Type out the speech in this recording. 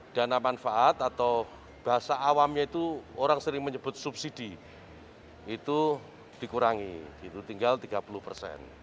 dana manfaat atau bahasa awamnya itu orang sering menyebut subsidi itu dikurangi tinggal tiga puluh persen